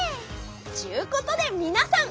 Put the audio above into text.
ちゅうことでみなさん。